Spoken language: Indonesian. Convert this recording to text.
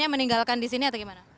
meninggalkan di sini atau gimana